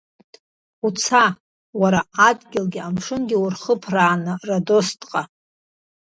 Уца, уара адгьылгьы амшынгьы урхыԥрааны Родостҟа!